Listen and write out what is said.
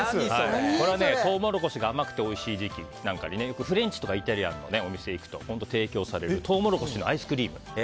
トウモロコシが甘くておいしい時期なんかによくフレンチとかイタリアンのお店に行くと提供されるトウモロコシのアイスクリーム。